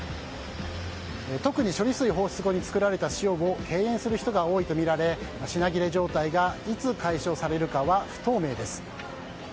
特に処理水放出後に作られた塩を敬遠する人が多いとみられ品切れ状態がいつ解消されるかは不透明です。